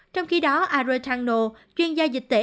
trong khi đó aretano chuyên gia dịch tệ